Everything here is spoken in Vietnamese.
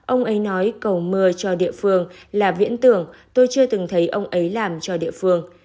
ông ấy nói cầu mưa cho địa phương là viễn tưởng tôi chưa từng thấy ông ấy làm cho địa phương